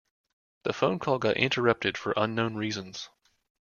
The phone call got interrupted for unknown reasons.